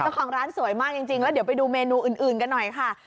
เจ้าของร้านสวยมากจริงแล้วเดี๋ยวไปดูเมนูอื่นกันหน่อยค่ะ